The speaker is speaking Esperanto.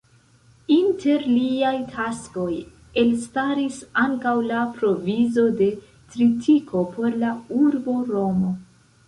Inter liaj taskoj elstaris ankaŭ la provizo de tritiko por la urbo Romo.